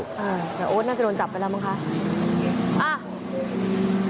แต่โอ๊ตน่าจะโดนจับไปแล้วมั้งคะ